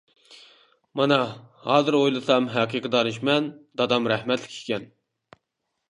مانا، ھازىر ئويلىسام ھەقىقىي دانىشمەن دادام رەھمەتلىك ئىكەن.